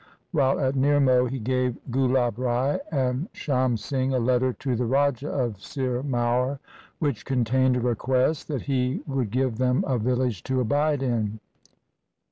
While at Nirmoh he gave Gulab Rai and Sham Singh a letter to the Raja of Sirmaur, which contained a request that he would give them a village to abide in.